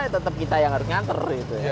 tetap kita yang harus nganter